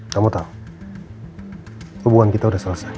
kamu tau hubungan kita udah selesai